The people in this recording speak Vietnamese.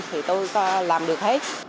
thì tôi làm được hết